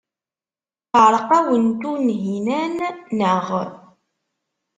Teɛreq-awen Tunhinan, naɣ?